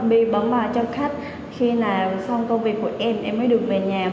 mình bấm vào cho khách khi nào xong công việc của em em mới được về nhà